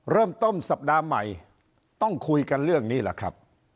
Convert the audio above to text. เริ่มต้นสัปดาห์ใหม่ต้องคุยกันเรื่องนี้แหละครับ